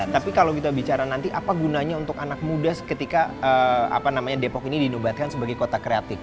tapi kalau kita bicara nanti apa gunanya untuk anak muda ketika depok ini dinobatkan sebagai kota kreatif